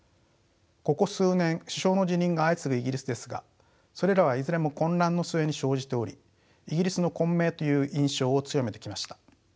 ここ数年首相の辞任が相次ぐイギリスですがそれらはいずれも混乱の末に生じておりイギリスの混迷という印象を強めてきました。